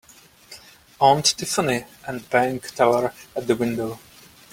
Aunt Tiffany and bank teller at the window.